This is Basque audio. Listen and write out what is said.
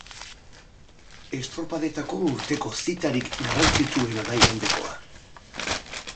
Estropadetako urteko zitarik garrantzitsuena da igandekoa.